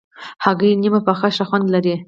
هګۍ نیم پخه ښه خوند لري.